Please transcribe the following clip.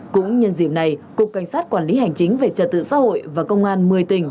cũng nhân dịp này cục cảnh sát quản lý hành chính về trật tự xã hội và công an một mươi tỉnh